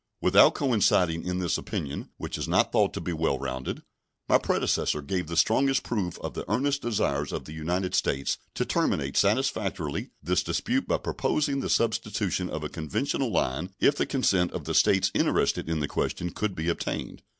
Without coinciding in this opinion, which is not thought to be well rounded, my predecessor gave the strongest proof of the earnest desire of the United States to terminate satisfactorily this dispute by proposing the substitution of a conventional line if the consent of the States interested in the question could be obtained.